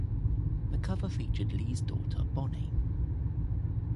The cover featured Lea's daughter, Bonny.